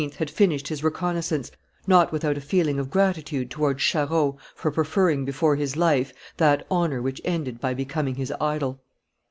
had finished his reconnoissance, not without a feeling of gratitude towards Charost for preferring before his life that honor which ended by becoming his idol.